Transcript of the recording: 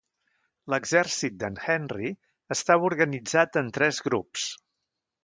L'exèrcit d'en Henry estava organitzat en tres grups.